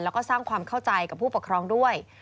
แล้วก็สร้างความเข้าใจกับผู้ปกครองด้วย